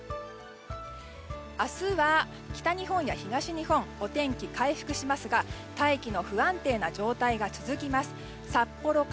明日は北日本や東日本でお天気が回復しますが大気の不安定な状態が続きます。